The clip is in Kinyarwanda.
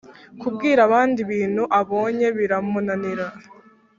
kubwira abandi ibintu abonye biramunanira,